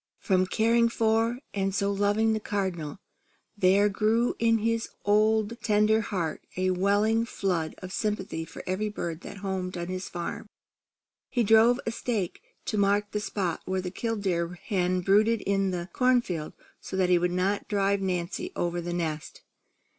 From caring for and so loving the Cardinal, there grew in his tender old heart a welling flood of sympathy for every bird that homed on his farm. He drove a stake to mark the spot where the killdeer hen brooded in the corn field, so that he would not drive Nancy over the nest.